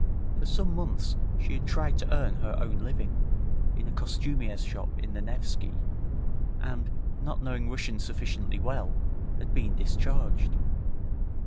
For some months she had tried to earn her own living, in a costumier's shop in the Newski, and, not knowing Russian sufficiently well, had been discharged.